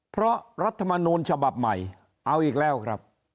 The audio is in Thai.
เพราะรัฐมนูลฉบับใหม่เอาอีกแล้วครับ